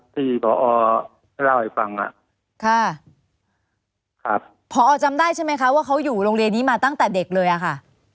ที่พอให้เล่าให้ฟังอ่ะค่ะครับพอจำได้ใช่ไหมคะว่าเขาอยู่โรงเรียนนี้มาตั้งแต่เด็กเลยอะค่ะ